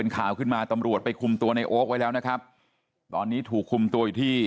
เวลาเขาเมื่อเราลงจากบ้านไปปุ๊บก็เคลื่อนเหตุเลยไง